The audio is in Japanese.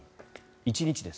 １日です。